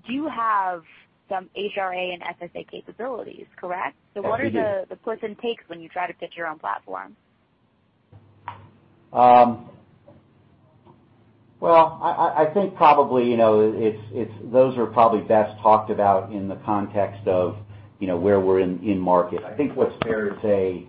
do have some HRA and FSA capabilities, correct? Yes, we do. What are the plus and takes when you try to fit your own platform? Well, I think probably, those are probably best talked about in the context of where we're in market. I think what's fair to say,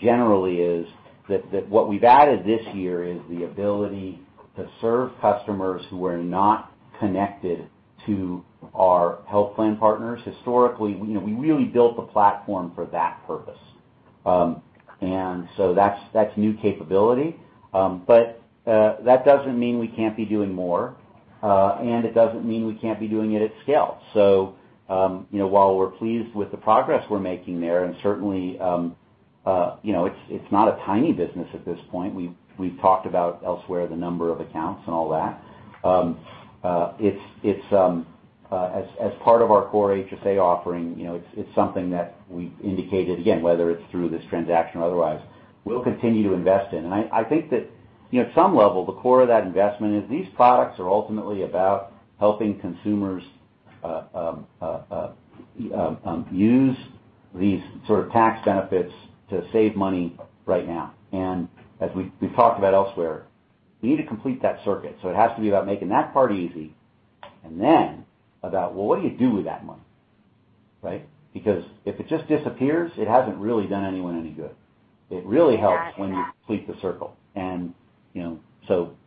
generally, is that what we've added this year is the ability to serve customers who are not connected to our health plan partners. Historically, we really built the platform for that purpose. That's new capability. That doesn't mean we can't be doing more, and it doesn't mean we can't be doing it at scale. While we're pleased with the progress we're making there, and certainly, it's not a tiny business at this point. We've talked about elsewhere the number of accounts and all that. As part of our core HSA offering, it's something that we've indicated, again, whether it's through this transaction or otherwise, we'll continue to invest in. I think that at some level, the core of that investment is these products are ultimately about helping consumers use these sort of tax benefits to save money right now. As we've talked about elsewhere, we need to complete that circuit. It has to be about making that part easy and then about, well, what do you do with that money, right? If it just disappears, it hasn't really done anyone any good. Got it, yeah. It really helps when you complete the circle.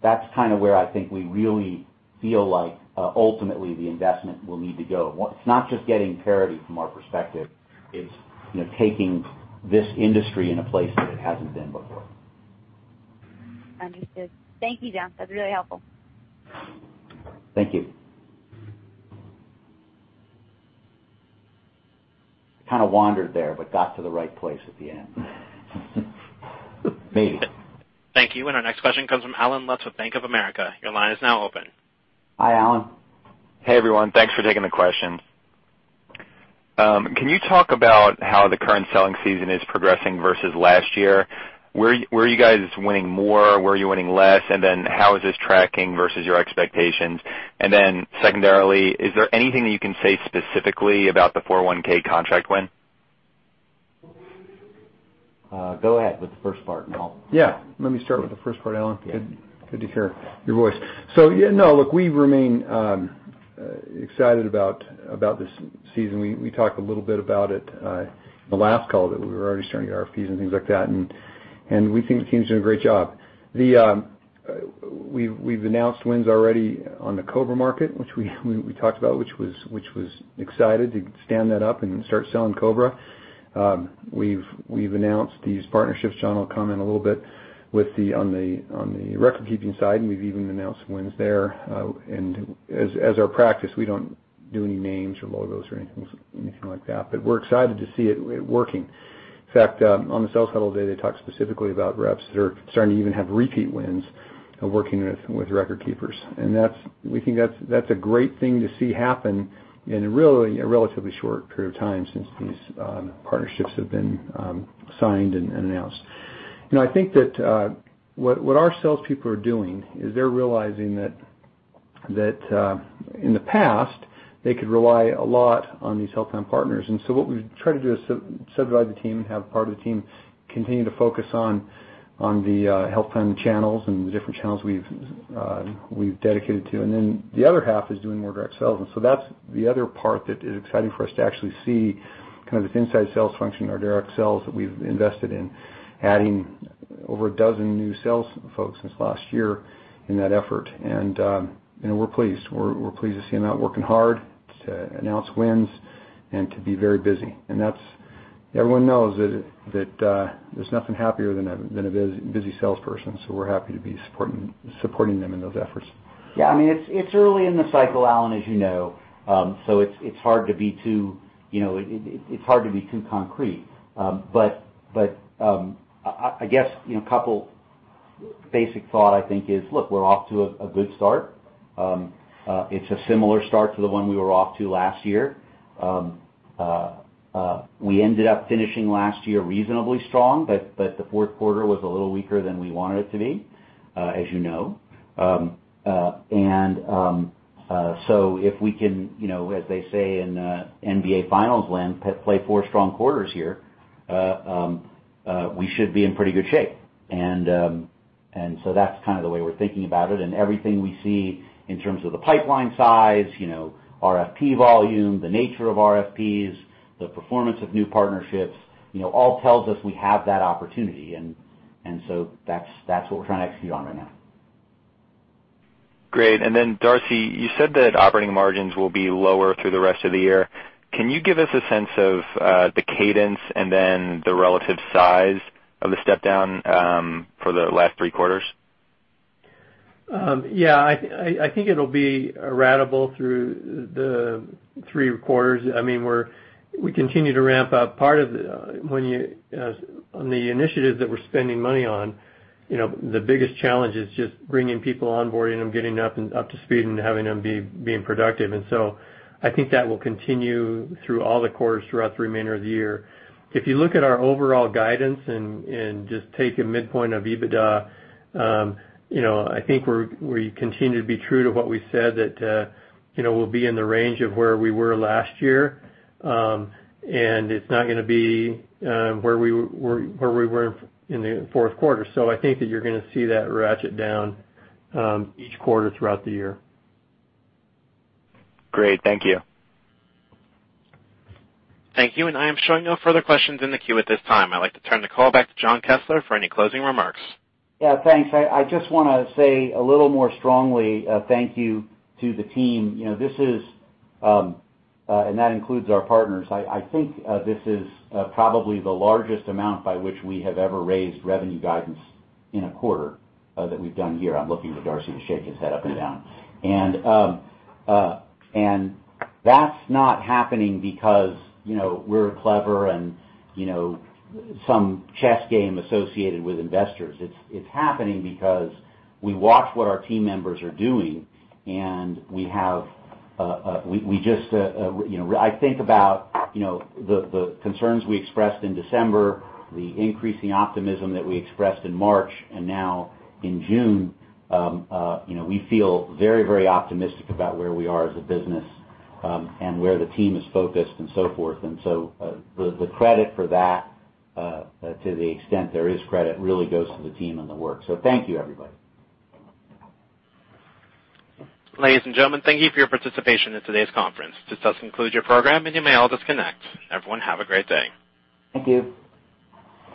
That's kind of where I think we really feel like, ultimately, the investment will need to go. It's not just getting parity from our perspective, it's taking this industry in a place that it hasn't been before. Understood. Thank you, Jon. That's really helpful. Thank you. I kind of wandered there, but got to the right place at the end. Maybe. Thank you. Our next question comes from Allen Lutz with Bank of America. Your line is now open. Hi, Allen. Hey, everyone. Thanks for taking the questions. Can you talk about how the current selling season is progressing versus last year? Where are you guys winning more? Where are you winning less? How is this tracking versus your expectations? Secondarily, is there anything that you can say specifically about the 401 contract win? Go ahead with the first part and I'll- Yeah. Let me start with the first part, Allen. Yeah. Good to hear your voice. Yeah, no. Look, we remain excited about this season. We talked a little bit about it in the last call, that we were already starting to get RFPs and things like that, and we think the team's doing a great job. We've announced wins already on the COBRA market, which we talked about, which was excited to stand that up and start selling COBRA. We've announced these partnerships, Jon will comment a little bit, on the record keeping side, and we've even announced some wins there. As our practice, we don't do any names or logos or anything like that. We're excited to see it working. In fact, on the sales call today, they talked specifically about reps that are starting to even have repeat wins of working with record keepers. We think that's a great thing to see happen in really a relatively short period of time since these partnerships have been signed and announced. I think that what our salespeople are doing is they're realizing that, in the past, they could rely a lot on these health plan partners. What we've tried to do is subdivide the team and have part of the team continue to focus on the health plan channels and the different channels we've dedicated to. The other half is doing more direct sales. That's the other part that is exciting for us to actually see this inside sales function or direct sales that we've invested in adding over a dozen new sales folks since last year in that effort. We're pleased. We're pleased to see them out working hard, to announce wins, and to be very busy. Everyone knows that there's nothing happier than a busy salesperson. We're happy to be supporting them in those efforts. Yeah, it's early in the cycle, Allen, as you know. It's hard to be too concrete. I guess, a couple basic thought, I think is, look, we're off to a good start. It's a similar start to the one we were off to last year. We ended up finishing last year reasonably strong, the fourth quarter was a little weaker than we wanted it to be, as you know. If we can, as they say in NBA finals lingo, play four strong quarters here, we should be in pretty good shape. That's the way we're thinking about it. Everything we see in terms of the pipeline size, RFP volume, the nature of RFPs, the performance of new partnerships, all tells us we have that opportunity. That's what we're trying to execute on right now. Great. Darcy, you said that operating margins will be lower through the rest of the year. Can you give us a sense of the cadence and the relative size of the step down for the last three quarters? Yeah, I think it'll be ratable through the three quarters. We continue to ramp up. On the initiatives that we're spending money on, the biggest challenge is just bringing people on board, getting them up to speed, and having them being productive. I think that will continue through all the quarters throughout the remainder of the year. If you look at our overall guidance and just take a midpoint of EBITDA, I think we continue to be true to what we said, that we'll be in the range of where we were last year. It's not going to be where we were in the fourth quarter. I think that you're going to see that ratchet down each quarter throughout the year. Great. Thank you. Thank you. I am showing no further questions in the queue at this time. I'd like to turn the call back to Jon Kessler for any closing remarks. Yeah, thanks. I just want to say a little more strongly thank you to the team, and that includes our partners. I think this is probably the largest amount by which we have ever raised revenue guidance in a quarter that we've done here. I'm looking to Darcy to shake his head up and down. That's not happening because we're clever and some chess game associated with investors. It's happening because we watch what our team members are doing, and I think about the concerns we expressed in December, the increasing optimism that we expressed in March, and now in June, we feel very optimistic about where we are as a business and where the team is focused and so forth. The credit for that, to the extent there is credit, really goes to the team and the work. Thank you, everybody. Ladies and gentlemen, thank you for your participation in today's conference. This does conclude your program, and you may all disconnect. Everyone, have a great day. Thank you.